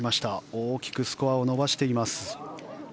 大きくスコアを伸ばしています。